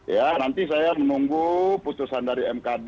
ya nanti saya menunggu putusan dari mkd